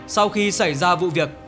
sau khi xảy ra vụ việc